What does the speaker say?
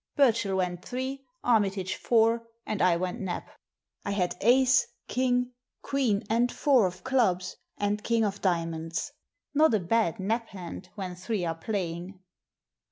Burchell went three, Armitage four, and I went Nap ! I had ace, king, queen, and four of clubs, and king of diamonds. Not a bad Nap hand when three are playing.